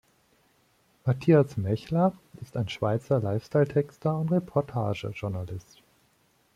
Matthias Mächler ist ein Schweizer Lifestyle-Texter und Reportage-Journalist.